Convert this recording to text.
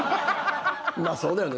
まあそうだよね。